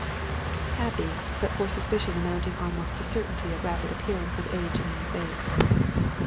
Happy, but for suspicion amounting almost to certainty of a rapid appearance of age in my face....